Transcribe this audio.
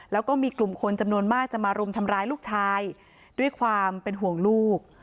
แล้วก็มีกลุ่มคนจำนวนมากจะมารุมทำร้ายลูกชายด้วยความเป็นห่วงลูก